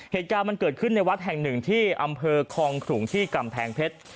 เหตุการณ์มันเกิดขึ้นในวัดแห่งหนึ่งที่อำเภอคองขลุงที่กำแพงเพชร